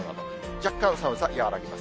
若干寒さ和らぎます。